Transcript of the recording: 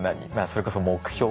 それこそ目標。